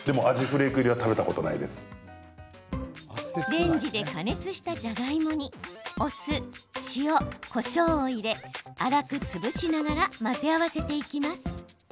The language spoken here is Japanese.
レンジで加熱した、じゃがいもにお酢、塩、こしょうを入れ粗く潰しながら混ぜ合わせていきます。